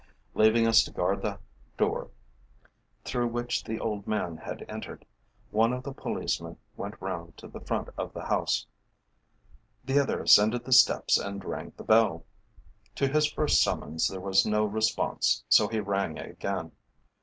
Leaving us to guard the door through which the old man had entered, one of the policemen went round to the front of the house. The other ascended the steps and rang the bell. To his first summons there was no response, so he rang again.